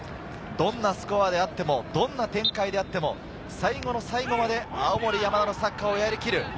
どんなスコアであっても、どんな展開であっても、最後の最後まで青森山田のサッカーをやりきる。